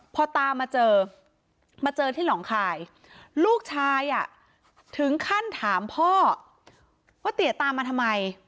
พอตามมาเจอมาเจอที่หนองคายลูกชายอ่ะถึงขั้นถามพ่อว่าเตี๋ยตามมาทำไม